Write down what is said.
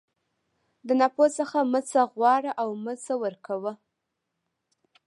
د ناپوه څخه مه څه غواړه او مه څه ورکوه.